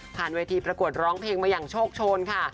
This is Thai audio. เวทีประกวดร้องเพลงมาอย่างโชคโชนค่ะ